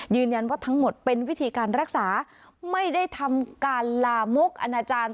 ทั้งหมดเป็นวิธีการรักษาไม่ได้ทำการลามกอนาจารย์